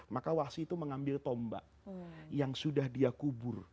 maka wasi itu mengambil tombak yang sudah dia kubur